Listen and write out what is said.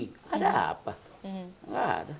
tidak ada apa nggak ada